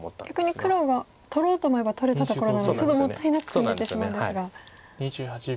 逆に黒が取ろうと思えば取れたところなのでちょっともったいなく感じてしまうんですが。